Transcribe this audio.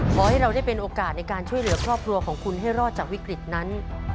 ขอให้เราได้เป็นโอกาสในการช่วยเหลือครอบครัวของคุณให้รอดจากวิกฤตนั้น